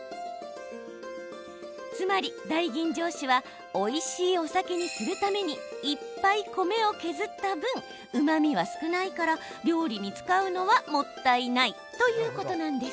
つまり、大吟醸酒はおいしいお酒にするためにいっぱい米を削った分うまみは少ないから料理に使うのはもったいないということなんです。